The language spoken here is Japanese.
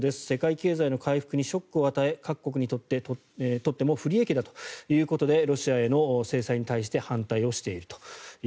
世界経済の回復にショックを与え各国にとっても不利益だということでロシアへの制裁に対して反対をしていると。